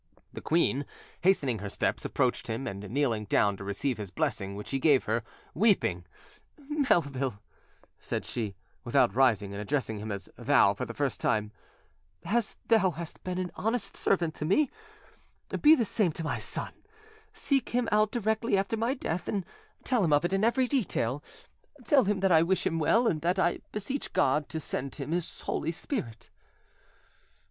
The queen, hastening her steps, approached him, and kneeling down to receive his blessing, which he gave her, weeping— "Melville," said she, without rising, and addressing him as "thou" for the first time, "as thou hast been an honest servant to me, be the same to my son: seek him out directly after my death, and tell him of it in every detail; tell him that I wish him well, and that I beseech God to send him His Holy Spirit."